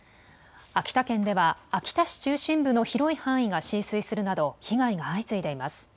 秋田県では秋田市中心部の広い範囲が浸水するなど被害が相次いでいます。